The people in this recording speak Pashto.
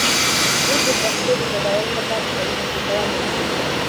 موږ د پښتو د بډاینې لپاره خپلو هڅو ته دوام ورکوو.